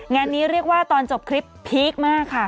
งานนี้เรียกว่าตอนจบคลิปพีคมากค่ะ